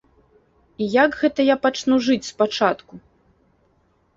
І як гэта я пачну жыць спачатку?